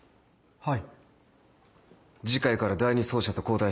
はい。